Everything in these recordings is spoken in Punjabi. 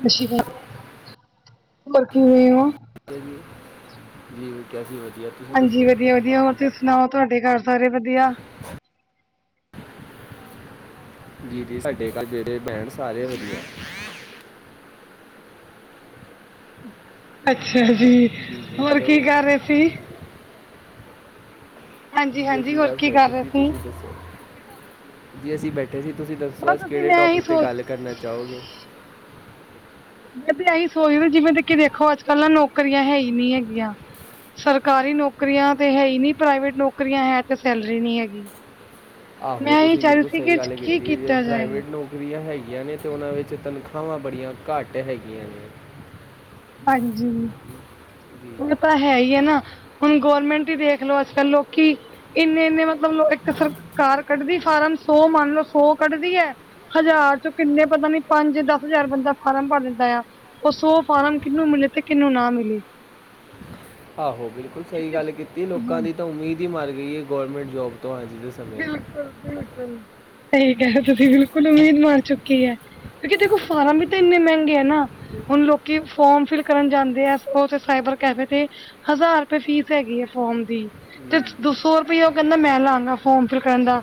ਸਤਿ ਸ਼੍ਰੀ ਅਕਾਲ, ਹੋਰ ਕਿਵੇਂ ਹੋ? ਜੀ ਜੀ ਕੈਸੇ ਵਸੀਅਤ? ਹਾਂਜੀ ਵਧੀਆ ਵਧੀਆ ਹੋਰ, ਤੁਸੀਂ ਸੁਣਾਓ ਤੁਹਾਡੇ ਘਰ ਸਾਰੇ ਵਧੀਆ? ਜੀ ਜ, ਸਾਡੇ ਘਰ ਜਿਹੜੇ ਭੈਣ ਸਾਰੇ ਵਧੀਆ। ਅੱਛਾ ਜੀ, ਜੀ ਹੋਰ ਹੈਲੋ ਕੀ ਕਰ ਰਹੇ ਸੀ? ਹਾਂਜੀ ਜੀ ਹਾਂਜੀ, ਅਸੀਂ ਹੋਰ ਬਸ ਕੀ ਕਰ ਬੈਠੇ ਰਹੇ ਸੀ, ਤੁਸੀਂ ਦੱਸੋ ਜੀ ਅਸੀਂ ਬੈਠੇ। ਦੀਦੀ, ਤੁਸੀਂ ਦੱਸੋ ਬਸ ਅੱਜ ਅਸੀਂ ਕਿਹੜੇ ਮੈਂ ਇਹੀ ਟੋਪਿਕ, 'ਤੇ ਸੋਚ ਗੱਲ ਕਰਨਾ ਚਾਹੋਗੇ। ਮੈਂ ਵੀ ਇਹੀ ਸੋਚਦੀ ਜਿਵੇਂ ਕਿ ਦੇਖੋ, ਅੱਜ ਕੱਲ੍ਹ ਨਾ ਨੌਕਰੀਆਂ ਹੈ ਹੀ ਨਹੀਂ ਹੈਗੀਆਂ। ਸਰਕਾਰੀ ਨੌਕਰੀਆਂ ਤੇ ਹੈ ਹੀ ਨਹੀਂ, ਪ੍ਰਾਈਵੇਟ ਨੌਕਰੀਆਂ ਹੈ ਤੇ ਸੈਲਰੀ ਨਹੀਂ ਹੈਗੀ। ਆਹੋ, ਮੈਂ ਇਹੀ ਤੁਸੀਂ ਚਾਹ ਰਹੀ ਬਿਲਕੁਲ ਸੀ ਸਹੀ ਕਿ ਗੱਲ ਕੀ ਕੀਤੀ ਹੈ, ਜੇ ਕੀਤਾ ਜਾਏ? ਪ੍ਰਾਈਵੇਟ ਨੌਕਰੀ। ਰੀਆਂ ਹੈਗੀਆਂ ਨੇ ਤੇ, ਉਹਨਾਂ ਵਿੱਚ ਤਨਖਾਹਾਂ ਬੜੀਆਂ ਘੱਟ ਹੈਗੀਆਂ ਨੇ। ਹਾਂਜੀ। ਜੀ ਹੁਣ ਤਾਂ ਹੈ ਹੀ ਹੈ, ਨਾ ਹੁਣ ਗੌਰਰਮੈਂਟ ਹੀ ਦੇਖਲੋ ਅੱਜ ਕੱਲ ਲੋਕੀ। ਇੰਨੇ ਇੰਨੇ ਮਤਲਬ ਇੱਕ ਸਰਕਾਰ ਕੱਢਦੀ ਫਾਰਮ ਸੌ ਮੰਨ ਲਓ ਸੌ ਕੱਢਦੀ ਹੈ। ਹਜ਼ਾਰ ਚੋਂ ਕਿੰਨੇ ਪਤਾ ਨੀ ਪੰਜ ਦਸ ਹਜ਼ਾਰ ਬੰਦਾ ਫਾਰਮ ਭਰ ਦੈਂਦਾ ਆ। ਉਹ ਸੌ ਫਾਰਮ ਕਿਹਨੂੰ ਮਿਲੇਤੇ ਕਿਹਨੂੰ ਨਾ ਮਿਲੇ। ਆਹੋ ਬਿਲਕੁਲ ਸਹੀ ਗੱਲ ਕੀਤੀ ਹਾਂ ਲੋਕਾਂ ਦੀ ਤਾਂ ਉਮੀਦ ਹੀ ਮਰ ਗਈ ਹੈ, ਗੌਰਰਮੈਂਟ ਜੋਬ ਤੋਂ ਹਾਂਜੀ। ਬਿਲਕੁਲ ਬਿਲਕੁਲ ਸਹੀ ਗ, ਤੁਸੀਂ ਬਿਲਕੁਲ ਉਮੀਦ ਮਾਰ ਚੁੱਕੀ ਹੈ। ਕਿਉਂਕਿ ਦੇਖੋ ਫਾਰਮ ਵੀ ਤਾਂ ਇੰਨੇ ਮਹਿੰਗੇ ਹੈ ਨਾ। ਹੁਣ ਲੋਕੀ ਫੋਰਮ ਫਿਲ ਕਰਨ ਜਾਂਦੇ ਆ ਸਾਈਬਰ ਕੈਫੇ ਤੇ। ਹਜ਼ਾਰ ਰੁਪਏ ਫੀਸ ਹੈਗੀ ਹੈ ਫੋਮ ਦੀ ਤੇ ਜੀ ਦੋ ਸੋ ਰੁਪਇਆ ਉਹ ਕਹਿੰਦਾ ਮੈਂ ਲਾਗਾ। ਫੋਰਮ ਫਿਲ ਕਰਨ ਦਾ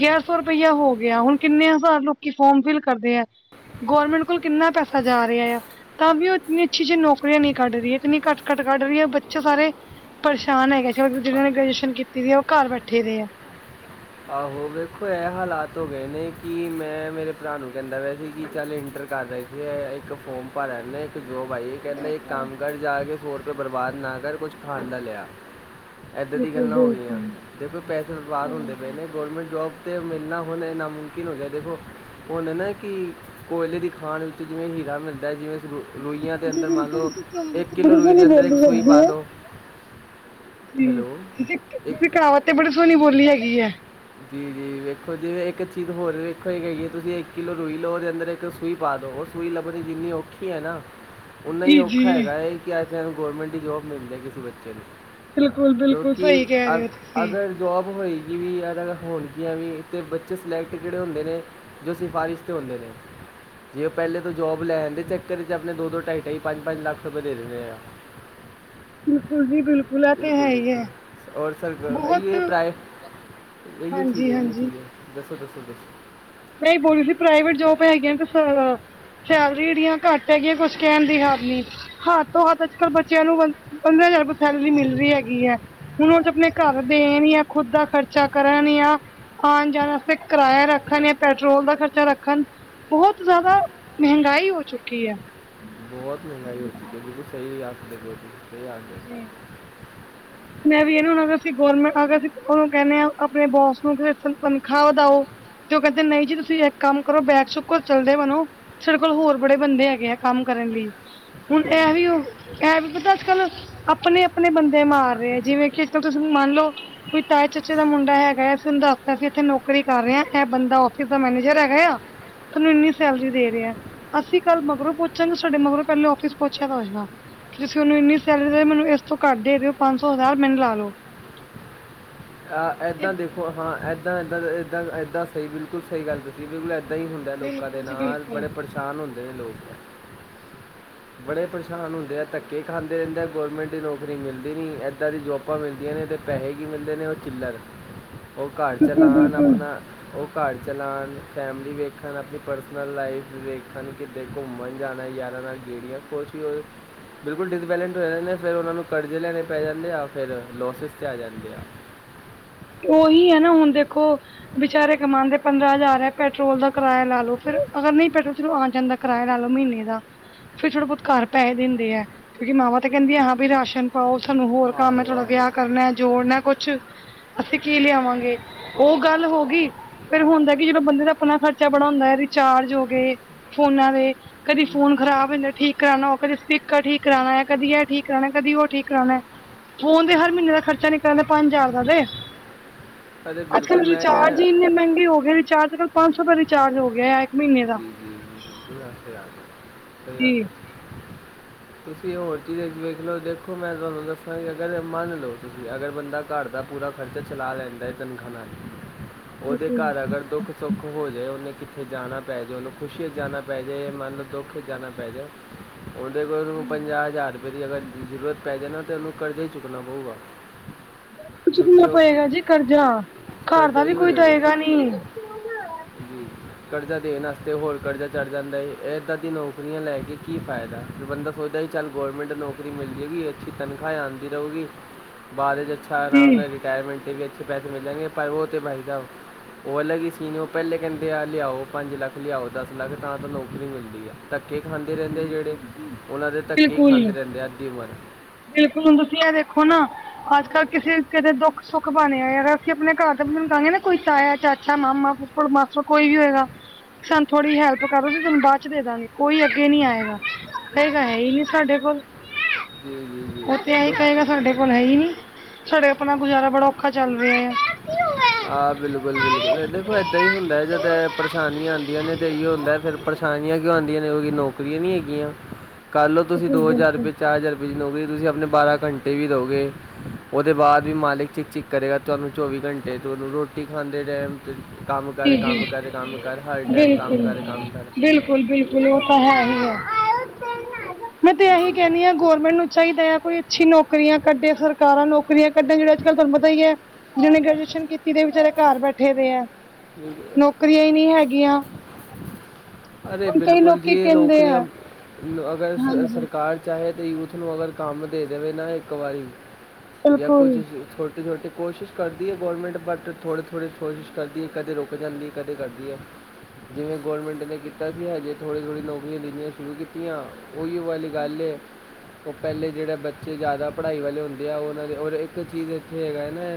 ਗਿਆਰ ਸੌ ਰੁਪਇਆ ਹੋ ਗਿਆ ਹੁਣ ਕਿੰਨੇ ਹਜ਼ਾਰ ਲੋਕੀ ਫੋਰਮ ਫਿਲ ਕਰਦੇ ਆ। ਗੌਰਮੈਂਟ ਕੋਲ ਕਿੰਨਾ ਪੈਸਾ ਜਾ ਰਿਹਾ ਆ। ਤਾਂ ਵੀ ਉਹ ਇੰਨੀ ਅੱਛੀ ਅੱਛੀ ਨੌਕਰੀਆਂ ਨਹੀਂ ਕੱਢ ਰਹੀ ਕਿੰਨੀ ਘੱਟ ਘੱਟ ਕੱਢ ਰਹੀ ਹੈ ਬੱਚਾ ਸਾਰੇ ਪਰੇਸ਼ਾਨ ਹੈਗਾ ਜਿਹਨਾਂ ਨੇ ਗ੍ਰੈਜੂਏਸ਼ਨ ਕੀਤੀ ਹੋਈ ਹੈ, ਉਹ ਘਰ ਬੈਠੇ ਰਹੇ ਆ। ਆਹੋ ਵੇਖੋ ਇਹ ਹਾਲਾਤ ਹੋ ਗਏ ਨੇ ਕਿ ਮੈਂ ਮੇਰੇ ਭਰਾ ਨੂੰ ਕਹਿੰਦਾ ਵਿਆ ਸੀ ਕਿ ਚੱਲ ਇੰਟਰ ਕਰਦੇ ਇੱਕ ਫੋਰਮ ਭਰ ਆ ਇੱਕ ਜੋਬ ਆਈ ਕਹਿੰਦੇ ਇੱਕ ਬਿਲਕੁਲ ਕੰਮ ਕਰ ਜਾ ਕੇ ਸੌ ਰੁਪਏ ਬਰਬਾਦ ਨਾ ਕਰ ਕੁਛ ਖਾਣ ਡਾ ਲਿਆ। ਏਦਾਂ ਦੀ ਬਿਲਕੁਲ ਗੱਲਾਂ ਹੋ ਗਈਆਂ ਬਿਲਕੁਲ ਦੇਖੋ ਪੈਸੇ ਬਰਬਾਦ ਹੁੰਦੇ, ਹਾਂਜੀ ਗੌਰਮੈਂਟ ਜੋਬ 'ਤੇ ਮਿਲਣਾ ਹੁਣ ਨਾਮੁਕਿਨ ਹੋ ਗਿਆ ਦੇਖੋ, ਉਹਨ ਨਾ ਕਿ ਕੋਇਲੇ ਦੀ ਖਾਣ ਵਿੱਚ ਜਿਵੇਂ ਹੀਰਾ ਮਿਲਦਾ ਜਿਵੇ ਸਰੂ ਰੂਈਆਂ ਦੇ ਅੰਦਰ, ਮੰਨ ਬਿਲਕੁਲ ਲਉ ਤੁਸੀਂ ਕਹਾਵਤ ਇੱਕ ਤਾਂ ਕਿੱਲੋ ਬੜੀ ਰੂਈ ਦੇ ਸੋਹਣੀ ਬੋਲੀ ਅੰਦਰ ਇੱਕ ਹੈਗੀ ਸੂਈ ਪਾ ਹੈ ਲਉ ਜੀ ਤੁ ਇੱਕ ਤੁਸੀ ਕਹਾਵਤ ਤੇ ਬੜੀ ਸੋਹਣੀ ਬੋਲੀ ਹੈਗੀ ਹੈ। ਜੀ ਜੀ ਵੇਖੋ ਜਿਵੇਂ ਇੱਕ ਚੀਜ਼ ਹੋਰ ਵੇਖੋ ਹੀ ਹੈਗੀ ਹੈ, ਤੁਸੀਂ ਇੱਕ ਕਿੱਲੋ ਰੋਈ ਲਓ ਉਹਦੇ ਅੰਦਰ ਇੱਕ ਸੂਈ ਪਾ ਦਿਉ। ਸੂਈ ਲੱਭਦੀ ਜਿੰਨੀ ਔਖੀ ਹੈ ਨਾ। ਓਨਾ ਹੀ ਜੀ ਔਖਾ ਜੀ ਹੈਗਾ ਹੈ, ਕਿ ਅ ਗੌਰਰਮੈਂਟ ਜੋਬ ਮਿਲਦੀ ਕਿਸੇ ਬੱਚੇ ਨੂੰ। ਬਿਲਕੁਲ ਬਿਲਕੁਲ ਕਿਉਂਕਿ, ਸਹੀ ਕਹਿ ਅ ਰਹੇ ਹੋ ਤੁਸੀਂ ਅਗਰ ਜੋਬ ਹੋਏਗੀ ਵੀ ਯਾਰ। ਹੋਣਗੀਆਂ ਵੀ ਇਥੇ ਬੱਚੇ ਸਿਲੈਕਟ, ਕਿਹੜੇ ਹੁੰਦੇ ਨੇ ਜੋ ਸਿਫਾਰਸ਼ 'ਤੇ ਹੁੰਦੇ ਨੇ। ਜੇ ਉਹ ਪਹਿਲੇ ਤੋਂ ਜੋਬ ਲੈਣ ਦੇ ਚੱਕਰ ਚ ਆਪਣੇ ਦੋ ਦੋ ਢਾਈ ਢਾਈ ਪੰਜ ਪੰਜ ਲੱਖ ਰੁਪਏ ਦੇ ਦਿੰਦੇ ਆ। ਬਿਲਕੁਲ ਜੀ ਇਹ ਤੇ ਬਿਲਕੁਲ ਹੈ ਹੀ ਬਿਲਕੁਲ ਹੈ ਰ ਸਰ ਬਹੁਤ ਪ੍ਰਏ। ਇਹੀ ਚੀਜ਼ ਹਾਂਜੀ ਹੈ ਇਹੀ ਚੀ ਹੈ ਦੱਸੋ ਦੱਸੋ ਦੱਸੋ। ਮੈਂ ਹੀ ਬੋਲੀ ਸੀ ਪ੍ਰਾਈਵੇਟ ਜੋਬ ਹੈਗੀਆਂ, ਤੇ ਸੈਲਰੀ ਜੜੀਆਂ ਘੱਟ। ਹੈਗੀ ਕੁਛ ਕਹਿਣ ਦੀ ਹਾਰ ਨਹੀਂ। ਹੱ ਤੋਂ ਹੱਥ ਅੱਜ ਕਲ ਬੱਚਿਆਂ ਨੂੰ ਪੰਦਰਾਂ ਹਜ਼ਾਰ ਰੁਪਏ ਸੈਲਰੀ ਮਿਲ ਰਹੀ ਹੈਗੀ ਹੈ। ਹੁਣ ਉਹ ਤੇ ਆਪਣੇ ਘਰ ਦੇ ਨ ਆ ਖੁੱਦ ਦਾ ਖ਼ਰਚਾ ਕਰਨ ਆ। ਆਉਣ ਜਾਣ ਫੇ ਕਿਰਾਇਆ ਰੱਖਣਣੇ। ਪੈਟਰੋਲ ਦਾ ਖ਼ਰਚਾ ਰੱਖਣ, ਬਹੁਤ ਜ਼ਿਆਦਾ ਮਹਿੰਗਾਈ ਹੋ ਚੁੱਕੀ ਹੈ। ਬਹੁਤ ਮਹਿੰਗਾਈ ਹੋ ਚੁੱਕੀ ਬਿਲਕੁਲ ਸਹੀ ਆ ਆ [unintelligible] ਜੀ। ਮੈਂ ਵੀ ਇਹਨੂੰ ਅਗ ਅਸੀਂ ਗੌਰਮੈਂਟ ਅਗਰ ਅਸੀਂ ਉਹਨੂੰ ਕਹਿੰਦੇ ਹਾਂ ਆਪਣੇ ਬੋਸ ਨੂੰ ਤਨਖਾਹ ਵਧਾਓ। ਤੇ ਉਹ ਕਹਿੰਦੇ ਨਹੀਂ ਜੀ ਤੁਸੀਂ ਇੱਕ ਕੰਮ ਕਰੋ ਬੈਗ ਚੁੱਕੋ ਚੱਲਦੇ ਬਣੋ, ਸਾਡੇ ਕੋਲ ਹੋਰ ਬੜੇ ਬੰਦੇ ਹੈਗੇ ਆ ਕੰਮ ਕਰਨ ਲਈ ਹੁਣ ਇਹ ਵੀ ਉਹ ਇਹ ਵੀ ਪਤਾ ਅੱਜ ਕੱਲ ਆਪਣੇ ਆਪਣੇ ਬੰਦੇ ਮਾਰ ਰਹੇ ਹੈ, ਜਿਵੇਂ ਕਿ ਅੱਜ ਕੱਲ ਤੁਸੀਂ ਮੰਨ ਲੋ ਕੋਈ ਤਾਏ ਚਾਚੇ ਦਾ ਮੁੰਡਾ ਹੈਗਾ ਸੀ, ਉਹਨੂੰ ਦੱਸਤਾ ਇੱਥੇ ਨੌਕਰੀ ਕਰ ਰਹੇ ਹਾਂ ਇਹ ਬੰਦਾ ਆਫਿਸ ਦਾ ਮੈਨੇਜਰ ਹੈਗਾ ਆ, ਥੋਨੂੰ ਇੰਨੀ ਸੈਲਰੀ ਦੇ ਰਿਹਾ ਆ। ਅਸੀਂ ਕੱਲ ਮਗਰੋਂ ਪਹਚਾਂਗੇ ਸਾਡੇ ਮਗਰੋਂ ਪਹਿਲੇ ਆਫਿਸ ਪਹੁੰਚਿਆ ਹੋਏਗਾ ਕਿ ਅਸੀਂ ਉਹਨੂੰ ਇੰਨੀ ਸੈਲ ਮੈਨੂੰ ਇਸ ਤੋਂ ਘਰ ਦੇ ਰਹੇ ਹੋ ਪੰਜ ਸੌ ਹਜ਼ਾਰ ਮੈਨੂੰ ਲਾ ਲੋ, ਤੇ ਇੱਦਾਂ ਦੇਖੋ ਹਾਂ ਇੱਦਾਂ ਇੱਦਾਂ ਇੱਦਾਂ ਇੱਦਾਂ ਸਹੀ ਬਿਲਕੁਲ ਸਹੀ ਗੱਲ ਜੀ ਬਿਲਕੁਲ ਇੱਦਾਂ ਹੀ ਹੁੰਦਾ ਲੋਕਾਂ ਦੇ ਬਿਲਕੁਲ ਜੀ ਨਾਲ ਬਿਲਕੁਲ। ਬੜੇ ਪਰੇਸ਼ਾਨ ਹੁੰਦੇ ਨੇ ਲੋਕ ਬੜੇ ਪਰੇਸ਼ਾਨ ਹੁੰਦੇ ਆ, ਧੱਕੇ ਖਾਂਦੇ ਰਹਿੰਦੇ, ਗੌਰਮੈਂਟ ਦੀ ਨੌਕਰੀ ਮਿਲਦੀ ਨਹੀਂ ਇੱਦਾਂ ਦੀ ਜੋਬ ਆਪਾਂ ਮਿਲਦੀਆਂ ਨੇ, ਅਤੇ ਪੈਸੇ ਵੀ ਮਿਲਦੇ ਨੇ ਉਹ ਚਿਲਰ ਉਹ ਘਰ ਚਲਾਉਣ ਬਿਲਕੁਲ-ਬਿਲਕੁਲ। ਆਪਣਾ ਉਹ ਘਰ ਚਲਾਣ, ਫੈਮਿਲੀ ਵੇਖਣ, ਆਪਣੀ ਪਰਸਨਲ ਲਾਈਫ ਦੇੇਖਣ, ਕਿਤੇ ਘੁੰਮਣ ਜਾਣਾ ਯਾਰਾਂ ਨਾਲ ਜਿਹੜੀਆਂ ਕੁਛ ਹੀ ਉਹ ਬਿਲਕੁਲ ਡਿਸਬੈਲੈਂਟ ਹੋ ਜਾਂਦੇ। ਫਿਰ ਉਹਨਾਂ ਨੂੰ ਕਰਜ਼ੇ ਲੈਣੇ ਪੈ ਜਾਂਦੇ ਆ ਫਿਰ ਲੋਸਿਸ ਚ ਆ ਜਾਂਦੇ ਆ। ਉਹੀ ਹੈ ਨਾ ਹੁਣ ਦੇਖੋ ਵਿਚਾਰੇ ਕਮਾਦੇ ਪੰਦਰਾਂ ਹਜ਼ਾਰ ਹੈ ਪੈਟਰੋਲ ਦਾ ਕਿਰਾਇਆ ਲਾ ਲੋੋ ਫੇਰ ਅਗਰ ਨਹੀਂ ਪੈਟਰੋਲ 'ਚ ਆ ਜਾਂਦਾ ਕਿਰਾਇਆ ਲਾ ਲਓ ਮਹੀਨੇ ਦਾ, ਫੇਰ ਥੋੜਾ ਬਹੁਤ ਘਰ ਪੈਸੇ ਦਿੰਦੇ ਆ, ਕਿਉਂਕਿ ਮਾਵਾਂ ਤਾਂ ਕਹਿੰਦੀ ਆ ਹਾਂ ਵੀ ਰਾਸ਼ਨ ਪਾਓ ਸਾਨੂੰ ਹੋਰ ਕੰਮ ਹੈ ਥੋਡਾ ਆਹੋ ਵਿਆਹ ਕਰਨਾ, ਜੋੜਨਾ ਕੁਛ ਅਸੀਂ ਕੀ ਲਿਆਵਾਂਗੇ। ਉਹ ਗੱਲ ਹੋ ਗਈ ਫੇਰ ਹੁੰਦਾ ਕਿ ਜਦੋਂ ਬੰਦੇ ਦਾ ਆਪਣਾ ਖਰਚਾ ਬੜਾ ਹੁੰਦਾ ਹੈ, ਰਿਚਾਰਜ ਹੋ ਗੇ ਫੋਨਾ ਦੇ ਕਦੀ ਫੋਨ ਖਰਾਬ ਹ ਜਾਂਦਾ। ਠੀਕ ਕਰਾਉਣਾ ਉਹ ਕਦੇ ਸਪੀਕਰ ਠੀਕ ਕਰਾਉਣਾ ਕਦੀ ਇਹ ਠੀਕ ਕਰਾਉਣਾ ਕਦੀ ਉਹ ਠੀਕ ਕਰਾਉਣਾ ਹੈ। ਫੋਨ ਤੇ ਹਰ ਮਹੀਨੇ ਦਾ ਖਰਚਾ ਨਿਕਲਦਾ ਪੰਜ ਹਜ਼ਾਰ ਦਾ ਵੇ ਅਰੇ ਅੱਜ ਕੱਲ ਬਿਲਕੁਲ ਮੈਂ ਕਹਿ ਰਿਚਾਰਜ ਰਿਹਾ ਹੀ ਇੰਨੇ ਮਹਿੰਗੇ ਹੋ ਗਏ ਚਾਰ ਸੌ ਤੇ ਪੰਜ ਸੌ ਰੁਪਏ ਰਿਚਾਰਜ ਹੋ ਗਿਆ। ਜੀ ਜੀ ਬਿਲਕੁਲ ਯਾਦ ਹੈ ਸਹੀ ਯਾਦ ਹੈ। ਤੁਸੀਂ ਹੋਰ ਚੀਜ਼ ਵੇਖ ਲਓ ਦੇਖੋ ਮੈਂ ਤੁਹਾਨੂੰ ਦੱਸਾਂ ਕਿ ਅਗਰ ਮੰਨ ਲਓ ਤੁਸੀਂ ਅਗਰ ਬੰਦਾ ਘਰ ਦਾ ਪੂਰਾ ਖਰਚਾ ਚਲਾ ਲੈਂਦਾ। ਹੈ ਤਨਖਾਂਹ ਨਾਲ ਉਹਦੇ ਘਰ ਅਗਰ ਦੁੱਖ ਸੁੱਖ ਹੋ ਜਾਏ। ਉਹਨੇ ਕਿੱਥੇ ਜਾਣਾ ਪੈ ਜਾਵੇ। ਉਹਨੂੰ ਖੁਸ਼ੀ ' ਜਾਣਾ ਪੈ ਜਾਏ ਮਨ ਨੂੰ ਦੁੱਖ ਜਾਣਾ ਪੈ ਜਾਏ। ਉਹਦੇ ਕੋਲ ਨੂੰ ਪੰਜਾਹ ਹਜ਼ਾਰ ਰੁਪਏ ਦੀ ਅਗਰ ਜ਼ਰੂਰਤ ਪੈ ਜਾਵੇ ਤੇ ਉਹ ਨੂੰ ਕਰਜ਼ਾ ਹੀ ਚੁੱਕਣਾ ਪਵੇਗਾ। ਬਸ ਕੁਝ ਨਾ ਪਏਗਾ ਜੀ ਕਰਜ਼ਾ ਘਰ ਦਾ ਕਰਜ਼ਾ ਵੀ ਹੀ ਹੋ ਕੋਈ ਜਾਊਗਾ ਦਵੇਗਾ ਨੀ ਜੀ ਕਰਜ਼ਾ ਦੇਣ ਵਾਸਤੇ ਹੋਰ ਕਰਜ਼ਾ ਚੜ੍ਹ ਜਾਂਦਾ ਹੈਏ ਇਏਦਾਂ ਦੀ ਨੌਕਰੀਆਂ ਲੈ ਕੇ ਕੀ ਫਾਇਦਾ ਫਿਰ ਬੰਦਾ ਸੋਚਦਾ ਸੀ। ਚੱਲ ਗੌਰਮੈਂਟ ਨੌਕਰੀ ਮਿਲ ਜਾਵੇਗੀ। ਅੱਛੀ ਤਨਖਾਹ ਆਂਦੀ ਰਹੂਗੀ ਬਾਅਦ ਚ' ਅੱਛਾ ਜੀ ਇਨਾਮ ਨਾਲ ਰਿਟਾਇਰਮੈਂਟ 'ਤੇ ਵੀ ਅੱਛੇ ਪੈਸੇ ਮਿਲਣਗੇ, ਪਰ ਉਹ ਤਾਂ ਬਾਈ ਸਾਬ ਉਹ ਅਲੱਗ ਹੀ ਸੀਨ ਪਹਿਲੇ ਕਹਿੰਦੇ, ਆ ਲਿਆਓ, ਪੰਜ ਲੱਖ ਲਿਆਓ, ਦੱਸ ਲੱਖ ਤਾਂ ਨੌਕਰੀ ਮਿਲਦੀ ਆ। ਧੱਕੇ ਖਾਂਦੇ ਰਹਿੰਦੇ ਆ ਜਿਹੜੇ, ਉਹਨਾਂ ਦੇ ਧੱਕੇ ਹੀ ਬਿਲਕੁਲ ਖਾਂਦੇ ਰਹਿੰਦੇ ਆ ਅੱਧੀ ਉਮਰ ਬਿਲਕੁਲ ਹੁਣ ਤੁਸੀਂ ਇਹ ਦੇਖੋ ਨਾ ਅੱਜ ਕੱਲ੍ਹ ਕਿਸੇ ਕਿ ਦੇ ਦੁੱਖ ਸੁੱਖ ਬਣਿਆ ਆ ਗਾ ਅਸੀਂ ਆਪਣੇ ਘਰ ਚ ਬਾਨਾ, ਕੋਈ ਤਾਇਆ, ਚਾਚਾ, ਮਾਮਾ ਮਾਸਟਰ ਕੋਈ ਵੀ ਹੋਏਗਾ, ਸਾਨੂੰ ਥੋੜੀ ਹੈਲਪ ਕਰੋ ਥੋਨੂੰ ਬਾਅਦ 'ਚ ਦੇ ਦਾਂਗੇ ਕੋਈ ਅੱਗੇ ਨਹੀਂ ਆਏਗਾ ਹੈਗਾ ਕਹਿੰਦਾ ਹੈ ਹੀ ਨਹੀਂ ਸਾਡੇ ਕੋਲ ਜੀ ਜੀ ਜੀ ਉਹ ਤੇ ਐਹੀ ਲੋਕ ਕਹੇਗਾ ਸਾਡੇ ਕੋਲ ਹੈ ਹੀ ਨੀ, ਸਾਡੇ ਆਪਣਾ ਗੁਜਾਰਾ ਬੜਾ ਔਖਾ ਚੱਲ ਰਿਹਾ ਆ। ਆਹ ਬਿਲਕੁਲ, ਬਿਲਕੁਲ ਦੇਖੋ ਏਦਾਂ ਹੀ ਹੁੰਦਾ। ਜਦ ਪਰੇਸ਼ਾਨੀਆਂ ਆਉਂਦੀਆਂ ਨੇ ਤੇ ਇਹੀ ਹੁੰਦਾ ਫੇਰ ਪਰੇਸ਼ਾਨੀਆਂ ਕਿਉਂ ਆਉਂਦੀਆਂ ਨੇ ਉਹੀ ਨੌਕਰੀਆਂ ਨੀ ਹੈਗੀਆਂ, ਕੱਲ ਤੁਸੀਂ ਬਿਲਕੁਲ ਦੋ ਹਜ਼ਾਰ ਬਿਲਕੁਲ ਰੁਪਏ, ਚਾਰ ਹਜ਼ਾਰ ਮਿਲੋਗੇ ਤੁਸੀਂ ਆਪਣੇ ਬਾਰਾਂ ਘੰਟੇ ਵੀ ਦਿਉਗੇ ਉਹਦੇ ਬਾਅਦ ਵੀ ਮਾਲਿਕ ਚਿਕ ਚਿਕ ਕਰੇਗਾ ਤੁਹਾਨੂੰ ਚੌਵੀ ਘੰਟੇਨੂੰ ਰੋਟੀ ਖਾਂਦੇ ਟਾਇਮ ਕੰਮ ਕਰ, ਜੀ ਜੀ ਕੰਮ ਕਰ, ਕੰਮ ਕਰ, ਹਰ ਟਾਈਮ ਕੰਮ ਬਿਲਕੁਲ ਕਰ ਕੰਮ ਕਰ ਬਿਲਕੁਲ ਬਿਲਕੁਲ ਉਹ ਤਾਂ ਹੈ ਹੀ ਹੈ ਬਿਲਕੁਲ [inaudible] ਮੈਂ ਤੇ ਇਹੀ ਬਿਲਕੁਲ ਕਹਿਣੀ ਆ ਗੈਰਮੈਂਟ ਨੂੰ ਚਾਹੀਦਾ ਹੈ। ਕੋਈ ਅੱਛੀ ਨੌਕਰੀਆਂ ਕੱਢੇ ਸਰਕਾਰਾਂ ਨੌਕਰੀਆਂ ਕੱਢਣ ਜਿਹੜੇ ਅੱਜ ਕੱਲ੍ਹ ਤੁਹਾਨੂੰ ਪਤਾ ਹੀ ਹੈ ਜਿਹੇ ਗ੍ਰੈਜੂਏਸ਼ਨ ਕੀਤੀ ਤੇ ਵਿੱਚਾਰੇ ਘਰ ਬੈਠੇ ਦੇ ਹੈ ਜੀ, ਬਿਲਕੁਲ ਨੌਕਰੀਆਂ ਹੀ ਨਹੀਂੀ ਹੈਗੀਆਂ। ਅਰੇ ਹੁਣ ਕਈ ਬਿਲਕੁਲ ਜੀ ਲੋਕੀ ਇਹ ਕਹਿੰਦੇ ਆ ਨੌਕਰੀਆਂ ਅਗਰ ਹਾਂਜੀ ਸਰਕਾਰ ਚਾਹੇ ਤਾਂ ਯੂਥ ਨੂੰ ਅਗਰ ਕੰਮ ਦੇ ਦੇਵੇ ਨਾ ਇੱਕ ਵਾਰੀ ਜਾਂ ਕੁਝ ਬਿਲਕੁਲ ਛੋਟੀ ਛੋਟੀ ਕੋਸ਼ਿਸ਼ ਕਰਦੀ ਹੈ। ਗੌਰਮੈਂਟ ਬਟ ਥੋੜੀ ਥੋੜੀ ਕੋਸ਼ਿਸ਼ ਕਰਦੀ ਹੈ ਕਿ ਕਦੇ ਰੁਕ ਜਾਂਦੀ ਹੈ ਕਦੇ ਕਰਦੀ ਹੈ। ਜਿਵੇਂ ਗੋੌਰਮੈਂਟ ਨੇ ਕੀਤਾ ਸੀ। ਹਜੇ ਥੋੜ੍ਹੀ ਥੋੜ੍ਹੀ ਨੌਕਰੀਆਂ ਦਿਣੀਆਂ ਸ਼ੁਰੂ ਕੀਤੀਆਂ। ਉਹੀ ਵਾਲੀ ਗੱਲ ਹੈ। ਉਹ ਪਹਿਲੇ ਜਿਹੜੇ ਬੱਚੇ ਜ਼ਿਆਦਾ ਪੜ੍ਹਾਈ ਵਾਲੇ ਹੁੰਦੇ ਆ। ਉਹਨਾਂ ਦੇ ਔਰ ਇੱਕ ਚੀਜ਼ ਇੱਥੇ ਹੈਗਾ ਨਾ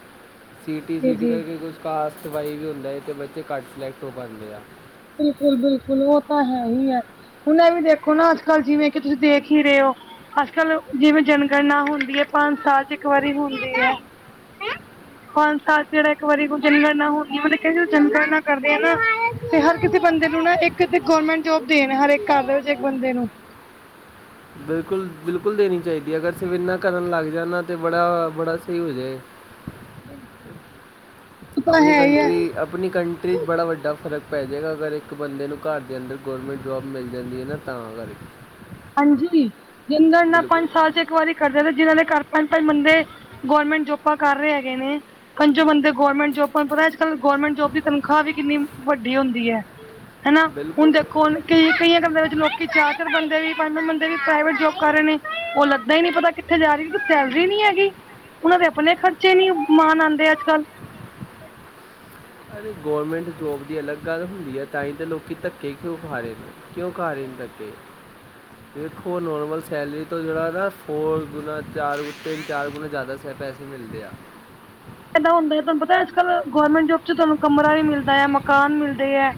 [inaudible] ਸਿਟੀ ਜੀ ਸਿਟੀ ਜੀ ਕਰਕੇ ਕੁਛ ਕਾਸਟ ਵਾਈਜ ਵੀ ਹੁੰਦਾ। ਏ ਅਤੇ ਬੱਚੇ ਘੱਟ ਸਿਲੈਕਟ ਹੋ ਪਾਉਂਦੇ ਆ। ਬਿਲਕੁਲ ਬਿਲਕੁਲ ਉਹ ਤਾਂ ਹੈ ਹੀ ਹੈ। ਹੁਣ ਵੀ ਦੇਖੋ ਨਾ ਅੱਜ ਕੱਲ ਜਿਵੇਂ ਕਿ ਤੁਸੀਂ ਦੇਖ ਹੀ ਰਹੇ ਹੋ। ਅੱਜ ਕਲ ਜਿਵੇਂ ਜਨਗਣਨਾ ਹੁੰਦੀ ਹੈ ਪੰਜ ਸਾਲ ਚ ਇੱਕ ਵਾਰੀ ਹੁੰਦੀ ਹੈ। [inaudible] ਪੰਜ ਸਾਲ ਚ ਜਿਹੜਾ ਇੱਕ ਵਾਰੀਈ ਜਨਗਣ ਨਾ ਹੁੰਦੀ ਮਤਲਬ ਜੰਗਣ ਨਾ ਕਰਦੇ ਆ ਨਾ ਤੇ ਹਰ ਕਿਸੇ ਬੰਦੇ ਨੂੰ ਨਾ ਇੱਕ ਗਵਰਮੈਂਟ ਜੋਬ ਦੇਣ ਹਰੇਕ ਕਰਹੇ ਇੱਕ ਬੰਦੇ ਨੂੰ ਬਿਲਕੁਲ ਬਿਲਕੁਲ ਦੇਣੀ ਚਾਹੀਦੀ ਹੈ ਅਗਰ ਸਿਰਫ਼ ਇਨਾ ਕਰਨ ਲੱਗ ਜਾਣਾ ਤੇ ਬੜਾ ਬੜਾ ਸਹੀ ਹੋ ਜਾਏ [inaudible] ਉਹ ਤਾਂ ਆਪਣੀ ਹੈ ਹੀ ਕੰਟਰੀ ਹੈ। ਆਪਣੀ ਕੰਟਰੀ 'ਚ ਬੜਾ ਵੱਡਾ ਫਰਕ ਪੈ ਜਾਵੇਗਾ ਅਗਰ ਇੱਕ ਬੰਦੇ ਨੂੰ ਘਰ ਦੇ ਅੰਦਰ ਗੌਰਮੈਂਟ ਜੋਬ ਮਿਲ ਜਾਂਦੀ ਹੈ ਨਾ ਤਾਂ ਕਰ ਕੇ ਹਾਂਜੀ ਜਿੰਗਡਨਾਂ ਨਾਲ ਪੰਜ ਸਾਲ ਚ ਇੱਕ ਵਾਰੀ ਕਰ ਜਾਂਦੇ ਜਿਹਨਾਂ ਦੇ ਘਰ ਪੰਜ ਪੰਜ ਬੰਦੇ ਗੌਰਰਮੈਂਟ ਜੋਬਾਂ ਕਰ ਰਹੇ ਹੈਗੇ ਨੇ ਪੰਜੋ ਬੰਦੇ ਗੌਰਮੈਂਟ ਜੋਬ ਤੁਹਾਨੂੰ ਪਤਾ ਅੱਜ ਕੱਲ ਗੌਰਰਮੈਂਟ ਜੋਬ ਦੀ ਤਨਖਾਹ ਵੀ ਕਿੰਨੀ ਵੱਡੀ ਹੁੰਦੀ ਹੈ ਹਨਾ ਹੁਣ ਬਿਲਕੁਲ ਦੇਖੋੁ ਕਈ ਕਈਆਂ ਕੰਮਾਂ ਵਿੱਚ ਲੋਕ ਚਾਰ ਚਿਰ ਬਣਦੇ ਵੀ ਬੰਦੇ ਵੀ ਪ੍ਰਾਈਵੇਟ ਜੋਬ ਕਰ ਰਹੇ ਨੇ ਉਹ ਲੱਗਦਾ ਹੀ ਨੀ ਪਤਾ ਕਿੱਥੇ ਜਾ ਰਹੀ ਕਿਉ ਸੈਲਰੀ ਨੀ ਹੈਗੀ ਉਹਨਾਂ ਦੇ ਆਪਣੇ ਖਰਚੇ ਨਹੀਂ ਮਾਣ ਆਉਂਦੇ ਅੱਜ ਕੱਲ੍ਹ ਅ ਗਵੌਰਮੈਂਟ ਜੋਬ ਦੀ ਅਲੱਗ ਗੱਲ ਹੁੰਦੀ ਹੈ ਤਾਂ ਹੀ ਤਾਂ ਲੋਕੀ ਧੱਕੇ ਕਿਉਂ ਉ ਖਾ ਰਹੇ ਨੇ ਕਿਉਂ ਕਾਰ ਕਰਤੇ ਦੇਖੋ ਨੋਰਮਲ ਸੈਲਰੀ ਤੋਂ ਜਿਹੜਾ ਨਾ ਫੋਰ ਗੁਣਾ ਚਾਰ ਤਿੰਨ ਚਾਰ ਗੁਣਾ ਜ਼ਿਆਦਾ ਪੈਸੇ ਮਿਲਦੇ ਆ ਇੱਦਾਂ ਹੁੰਦਾ ਹੈ ਤੁਹਾਨੂੰ ਪਤਾ ਅੱਜ ਕੱਲ ਗਵੌਰਰਮੈਂਟ ਜੋਬ ਚ ਤੁਹਾਨੂੰ ਕਮਰਾ ਵੀ ਮਿਲਦਾ ਹੈ ਮਕਾਨ ਮਿਲਦੇ ਹੈ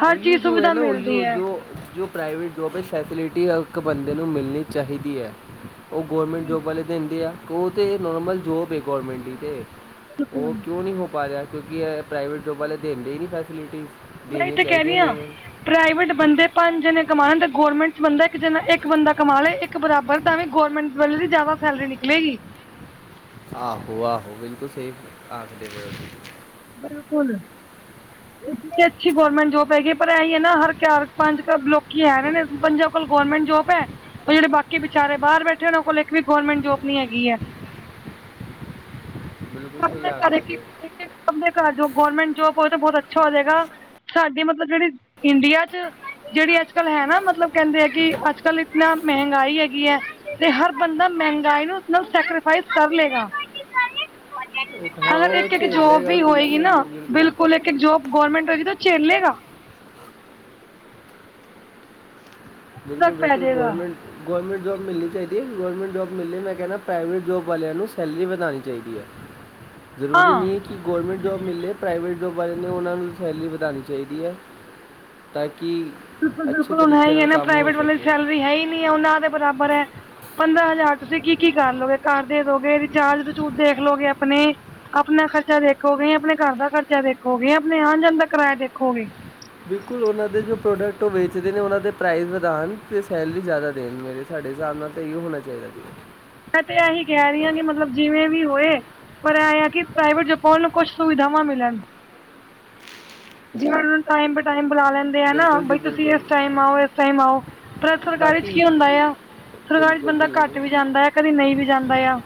ਹਰ ਓਹੀ ਚੀਜ਼ ਜੋ ਹੈ ਸੁਵਿਧਾ ਨਾ ਓਹੀ ਮਿਲਦੀ ਹੈ ਜੋ ਜੋ ਪ੍ਰਾਈਵੇਟ ਜੋਬ ਵਿੱਚ ਫੈਸਿਲਿਟੀ ਹਰ ਇੱਕ ਬੰਦੇ ਨੂੰ ਮਿਲਣੀ ਚਾਹੀਦੀ ਹੈ ਉਹ ਗੌਰਮੈਂਟ ਜੋਬ ਵਾਲੇ ਦਿੰਦੇ ਆ ਉਹ ਤਾਂ ਨਾਰਮਲ ਜੋਬ ਹੈ ਗੌਰਮੈਂਟ ਦੀ ਤਾਂ ਉਹ ਬਿਲਕੁਲ ਕਿਉਂ ਨਹੀਂ ਹੋ ਪਾ ਰਿਹਾ ਕਿਉਂਕਿ ਪ੍ਰਾਈਵੇਟ ਜੋਬ ਵਾਲੇ ਦਦੇ ਹੀ ਨਹੀਂ ਫੈਸਿਲਿਟੀ ਦੇਣੀ ਕਹਿਦੀ ਹ। ਪ੍ਰਾਈਵੇਟ ਬੰਦੇ ਪੰਜ ਜਣੇ ਕਮਉਣ ਤੇ ਗੌਰਮੈਂਟ ਚ ਬੰਦਾ ਇੱਕ ਜਣਾ ਇੱਕ ਬੰਦਾ ਕਮਾ ਲੈ ਇੱਕ ਬਰਾਬਰ ਦਾ ਵੀ ਗੌਰਮੈਂਟ ਵੱਲ ਜ਼ਿਆਦਾ ਸੈਲਰੀ ਨਿਕਲੇਗੀ। ਆਹੋ ਆਹੋ ਬਿਲਕੁਲ ਸਹੀ ਆਖਦੇ ਪੈਓ। ਬਿਲਕੁਲ। [inaudible] ਅੱਛੀ ਗੌਰਮੈਂਟ ਜੋਬ ਹੈਗੀ ਪਰ ਇਹੀ ਹੈ ਨਾ ਹਰ ਚਾਰ ਪੰਜ ਲੋਕੀ ਹੈ ਨੇ ਨੇ ਪੰਜ ਕੋਲ ਗੌਰਮੈਂਟ ਜੋਬ ਹੈ ਉਹ ਜਿਹੜੇ ਬਾਕੀ ਵਿਚਾਰੇ ਬਾਹਰ ਬੈਠੇ ਉਹਨਾਂ ਕੋਲ ਇੱਕ ਵੀ ਗੌਰਮੈਂਟ ਜੋਬ ਨੀ ਹੈਗੀ ਹੈ ਬਿਲਕੁਲ ਸਹੀ ਆਖਦੇ ਪਏ ਜੋ ਗਵਰਮੈਂਟ ਜੋਬ ਹੋ ਬਹੁਤ ਅੱਛਾ ਹੋ ਜਾਏਗਾ ਸਾਡੀ ਮਤਲਬ ਜਿਹੜੀ ਇੰਡੀਆ ਚ ਜਿਹੜੀ ਅੱਜ ਕੱਲ੍ਹ ਹੈ ਨਾ ਮਤਲਬ ਕਹਿੰਦੇ ਆ ਕਿ ਅੱਜ ਕੱਲ ਇਤਨਾ ਮਹਿੰਗਾਈ ਹੈਗੀ ਹੈ ਤੇ ਹਰ ਬੰਦਾ ਮਹਿੰਗਾਈ ਨੂੰ ਨਾਲ ਸੈਕਰੀਫਾਈਸ ਕਰ ਲਏਗਾ ਹੋ। ਉਹ ਹਾਂ ਅਗਰ ਉਹ ਇੱਕ ਇੱਕ ਜੋਬ ਝੇਲੇਗਾ ਵੀ ਹੋਏਗੀ ਕਿਉਂਕਿ ਨਾ ਬਿਲਕੁਲ ਇੱਕ ਇੱਕ ਜੋਬ ਗਵਰਮੈਂਟ ਹੋਏਗੀ ਤਾਂ ਝੇਲੇਗਾ ਬਿਲਕੁਲ ਸਕ ਪੈ ਬਿਲਕੁਲ ਜਾਏਗਾ ਗੌਰਮੈਂਟ ਗਵਰਮੈਂਟ ਜੋਬ ਮਿਲਣੀ ਚਾਹੀਦੀ ਹੈ ਗੌਰਰਮੈਂਟ ਜੋਬ ਮਿਲਲੀ ਮੈਂ ਕਹਿਣਾ ਪ੍ਰਾਈਵੇਟ ਜੋਬ ਵਾਲਿਆਂ ਨੂੰ ਸੈਲਰੀ ਵਧਉਣੀ ਚਾਹੀਦੀ ਹੈ ਜ਼ਰੂਰੀ ਹਾਂ ਨਹੀਂ ਕਿ ਗੌਰਮੈਂਟ ਜੋਬ ਮਿਲੇ ਪ੍ਰਾਈਵੇਟ ਜੋਬ ਬਾਰੇ ਨੇ ਉਹਨਾਂ ਨੂੰ ਸੈਲਰੀ ਵਧਾਉਣੀ ਚਾਹੀਦੀ ਹੈ ਤਾਂ ਕਿ ਬਿਲਕੁਲ ਅੱਛੇ ਬਿਲਕੁਲ ਹੁਣ ਹੈ ਤਰੀਕੇ ਹੀ ਹੈ ਨਾਲ ਨਾ ਕੰਮ ਹੋ ਪ੍ਰਾਈਵੇਟ ਵਾਲੇ ਸਕੇ ਸੈਲਰੀ ਹੈ ਹੀ ਨੀ ਹੈ ਉਹਨਾਂ ਦੇ ਬਰਾਬਰ ਹੈ ਪੰਦਰਾਂ ਹਜ਼ਾਰ ਤੁਸੀਂ ਕੀ ਕੀ ਕਰ ਲੋਗੇ ਘਰ ਦੇ ਦੋਗੇ ਚਾਜ਼ ਬਚੂਜ ਦੇਖਲੋਗੇ ਆਪਣੇ ਆਪਣਾ ਖਰਚਾ ਦੇਖੋਗੇ ਆਪਣੇ ਘਰ ਦਾ ਖਰਚਾ ਦੇਖੋਗੇ ਆਪਣੇ ਆਉਣ ਜਾਣ ਦਾ ਕਿਰਾਇਆ ਦੇਖੋਗੇ ਬਿਲਕੁਲ ਉਹਨਾਂ ਦੇ ਜੋ ਪ੍ਰੋਡਕਟ ਉਹ ਵੇਚਦੇ ਨੇ ਉਹਨਾਂ ਦੇ ਪ੍ਰਾਈਜ਼ ਵਧਾਉਣ ਅਤੇ ਸੈਲਰੀ ਜ਼ਿਆਦਾ ਦੇਣ ਮੇਰੇ ਸਾਡੇ ਹਿਸਾਬ ਨਾਲ ਤਾਂ ਹਿਸਾਬ ਹੋਣਾ ਚਾਹੀਦਾ ਜ ਮੈਂ ਤੇ ਇਹੀ ਕਹਿ ਰਹੀ ਹਾਂ ਕਿ ਮਤਲਬ ਜਿਵੇਂ ਵੀ ਹੋਏ ਪਰ ਆ ਕਿ ਪ੍ਰਾਈਵੇਟ ਜ ਕੋ ਨਾ ਕੁਛ ਸੁਵਿਧਾਵ ਮਿਲਣ ਜਿਵੇਂ ਉਹ ਨੂੰ ਟਾਈਮ ਟਾਈਮੁ ਲੈਂਦਾ ਨਾ ਬਿਲਕੁਲ ਜੀ ਬ ਤੁਸੀਂ ਬਿਲਕੁਲ ਇਸ ਟਾਈਮ ਆਓ ਇਸ ਟਾਈਮ ਆਓ ਪਰ ਸਰਕਾਰੀ ਚ ਬਾਕੀ ਕੀ ਹੁੰਦਾ ਆ ਸਰਕਾਰੀ ਬਿਲਕੁਲ ਬੰਦਾ ਬਿਲਕੁਲ ਘੱਟ ਵੀ ਜਾਂਦਾ ਆ, ਕਦੀ ਨਹੀਂ ਵੀ ਜਾਂਦਾ ਆ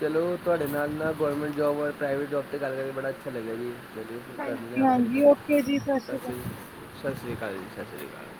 ਚਲੋ ਤੁਹਾਡੇ ਨਾਲ- ਨਾਲ ਗੌਰਮੈਂਟ ਜੋਬ ਔਰ ਪ੍ਰਾਈਵੇਟ ਜੋਬ 'ਤੇ ਗੱਲ ਕਰ ਕੇ ਬੜਾ ਅੱਛਾ ਲੱਗਿਆ ਜੀ ਜਦੋਂ ਫਿਰ ਕਰਨੀ ਹਾਂਜੀ ਹਾਂ ਫਿਰ ਹਾਂਜੀ ਕਦੀ, ਓਕੇ ਜੀ ਸਤਿ ਸ਼੍ਰੀ ਅਕਾਲ ਸਤਿ ਸ੍ਰੀ ਅਕਾਲ ਸਤਿ ਸ੍ਰੀ ਅਕਾਲ ਜੀ ਸਤਿ ਸ੍ਰੀ ਅਕਾਲ